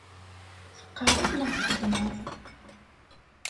Teqqareḍ neɣ txeddmeḍ?